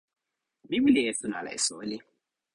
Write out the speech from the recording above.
mi wile esun ala e soweli.